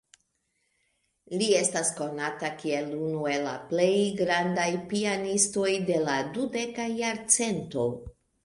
Li estas konata kiel unu el la plej grandaj pianistoj de la dudeka jarcento.